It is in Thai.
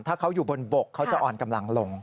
ถ้าเขาอยู่บนบกเขาจะอ่อนกำลังลง